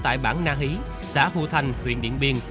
trú tại bảng na hí xã hù thanh huyện điện biên